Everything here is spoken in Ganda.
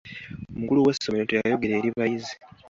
Omukulu w'essomero teyayogera eri bayizi.